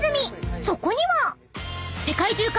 ［そこには］